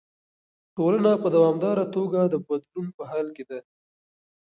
ټولنه په دوامداره توګه د بدلون په حال کې ده.